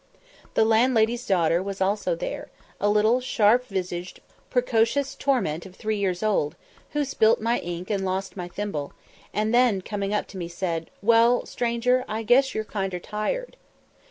The landlady's daughter was also there, a little, sharp visaged, precocious torment of three years old, who spilt my ink and lost my thimble; and then, coming up to me, said, "Well, stranger, I guess you're kinder tired."